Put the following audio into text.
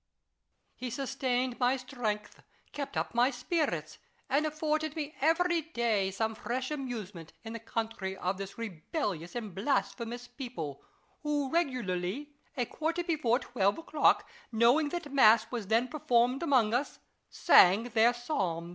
He sustained my strength, kept up my spirits, and afforded me every day some fresh amusement, in the country of this rebellious and blasphemous people, who regularly, a quarter before twelve o'clock, knowing that mass was then performed among us, sang their psalms.